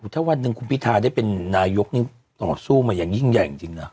ถ้าวันหนึ่งคุณพิทาได้เป็นนายกนี่ต่อสู้มาอย่างยิ่งใหญ่จริงนะ